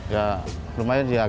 ya rumahnya agak rame gitu